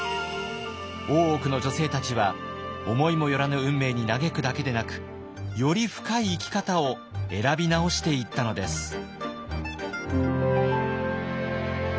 大奥の女性たちは思いも寄らぬ運命に嘆くだけでなくより深い生き方を選び直していったのです。